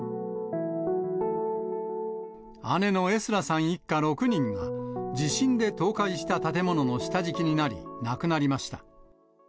姉のエスラさん一家６人が、地震で倒壊した建物の下敷きになり、亡くなりました。